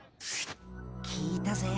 聞いたぜ。